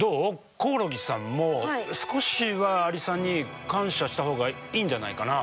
コオロギさんも少しはアリさんに感謝したほうがいいんじゃないかな？